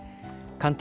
関東